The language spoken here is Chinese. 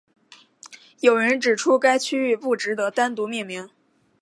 有人指出该区域不值得单独命名。